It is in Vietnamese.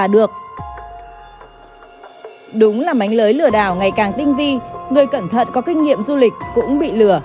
đúng là mảnh lưới lừa đảo ngày càng tinh vi người cẩn thận có kinh nghiệm du lịch cũng bị lừa